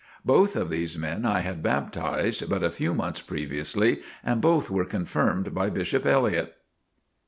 Both of these men I had baptized but a few months previously, and both were confirmed by Bishop Elliott.